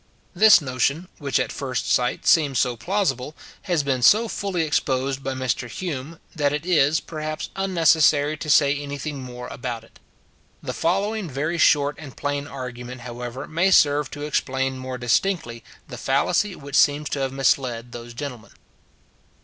This notion, which at first sight seems so plausible, has been so fully exposed by Mr Hume, that it is, perhaps, unnecessary to say any thing more about it. The following very short and plain argument, however, may serve to explain more distinctly the fallacy which seems to have misled those gentlemen.